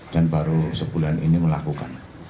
dan baru sebulan ini melakukan